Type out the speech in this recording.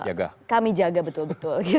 itu juga kami jaga betul betul